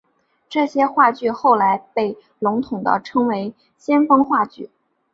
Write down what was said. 这些话剧后来被笼统地称为先锋话剧。